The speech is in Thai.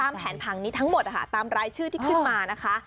แผนผังนี้ทั้งหมดนะคะตามรายชื่อที่ขึ้นมานะคะ